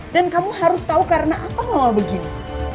dan kamu harus tahu karena apa mama begini